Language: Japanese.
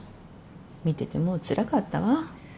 見ててもうつらかったわ。